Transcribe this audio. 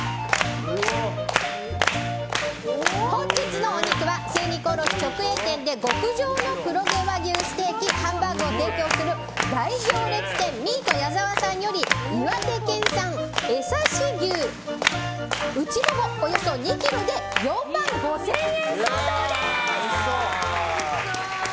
本日のお肉は精肉卸直営店で極上の黒毛和牛ステーキハンバーグを提供する大行列店ミート矢澤さんより岩手県産いわて江刺牛内モモ、およそ２ｋｇで４万５０００円相当です。